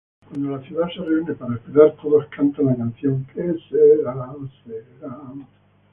Cuando la ciudad se reúne para esperar todos cantan la canción "Que sera, sera".